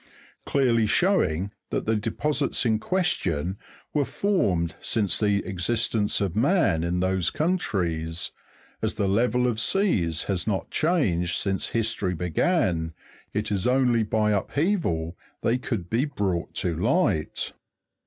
clearly showing that the deposits in question were formed since the existence of man in those countries; as the level of seas has not changed since history began, it is only by upheaval they could be brought to light.